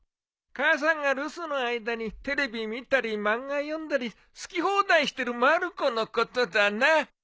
母さんが留守の間にテレビ見たり漫画読んだり好き放題してるまる子のことだな。